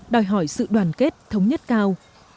đòi hỏi sự đoàn kết thống nhất cao